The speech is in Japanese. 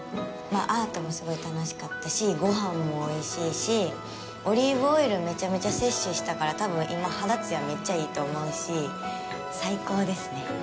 アートもすごい楽しかったしごはんもおいしいし、オリーブオイルめちゃめちゃ摂取したから多分、今、肌艶めっちゃいいと思うし最高ですね。